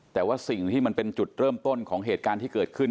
แต่ว่าสิ่งที่มันเป็นจุดเริ่มต้นของเหตุการณ์ที่เกิดขึ้น